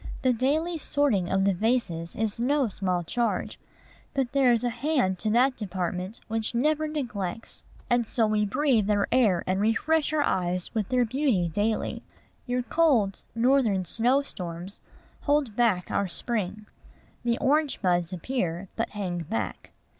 The daily sorting of the vases is no small charge: but there is a hand to that department which never neglects; and so we breathe their air and refresh our eyes with their beauty daily. Your cold Northern snow storms hold back our spring. The orange buds appear, but hang back.